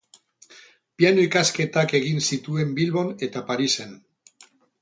Piano-ikasketak egin zituen Bilbon eta Parisen.